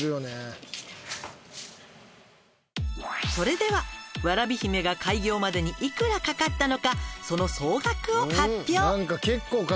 「それではわらび姫が開業までに幾らかかったのかその総額を発表！」